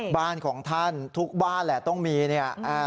บ้านของท่านทุกบ้านแหละต้องมีเนี่ย